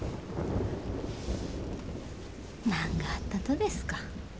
なんがあったとですか。